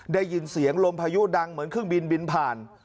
ได้ยินเสียงลมพายุดังเหมือนเครื่องบินบินผ่าน